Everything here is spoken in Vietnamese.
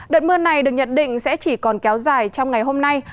đợt mưa này được nhận định sẽ chỉ còn kéo dài trong ngày hôm nay